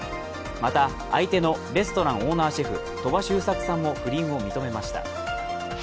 また、相手のレストランオーナーシェフ、鳥羽周作さんも不倫を認めました。